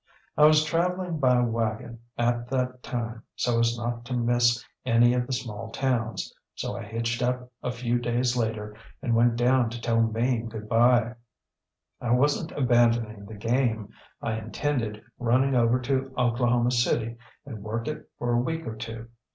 ŌĆÖ I was travelling by wagon at that time so as not to miss any of the small towns; so I hitched up a few days later and went down to tell Mame good bye. I wasnŌĆÖt abandoning the game; I intended running over to Oklahoma City and work it for a week or two.